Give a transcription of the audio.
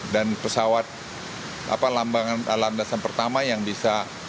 dan pesawat alam dasar pertama yang bisa